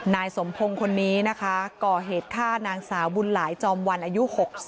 นายสมพงศ์คนนี้นะคะก่อเหตุฆ่านางสาวบุญหลายจอมวันอายุ๖๐